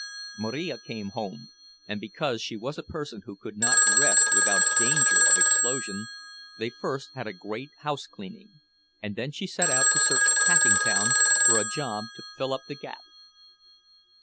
Marija came home, and because she was a person who could not rest without danger of explosion, they first had a great house cleaning, and then she set out to search Packingtown for a job to fill up the gap.